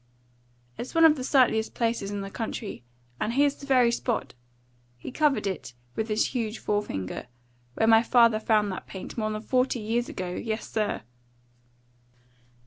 "It's one of the sightliest places in the country, and here's the very spot " he covered it with his huge forefinger "where my father found that paint, more than forty years ago. Yes, sir!"